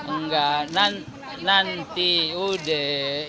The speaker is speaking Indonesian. enggak nanti udah